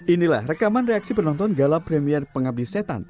inilah rekaman reaksi penonton gala premier pengabdi setan